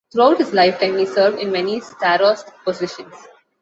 Throughout his lifetime, he served in many "starost" positions.